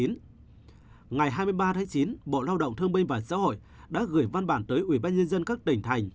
ngày hai mươi ba chín bộ lao động thương minh và xã hội đã gửi văn bản tới ubnd các tỉnh thành